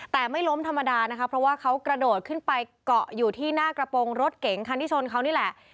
แต่ไม่ล้มธรรมดานะคะเพราะว่าเขากระโดดขึ้นไปเกาะอยู่ที่หน้ากระโปรงรถเก๋งคันที่ชนเขานี่แหละ